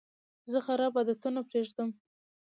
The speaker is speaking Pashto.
زه خراب عادتونه پرېږدم.